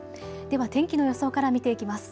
では天気の予想から見ていきます。